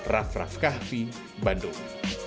rafraf kahfi bandung